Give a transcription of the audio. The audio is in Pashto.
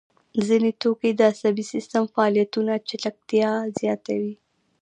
ځیني توکي د عصبي سیستم فعالیتونه چټکتیا زیاتوي.